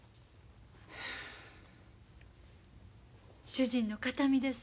主人の形見です